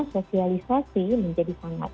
sosialisasi menjadi sangat